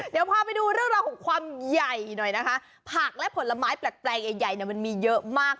เดี๋ยวพาไปดูเรื่องราวของความใหญ่ผักและผลไม้แปลกแปลงใหญ่มีเยอะมาก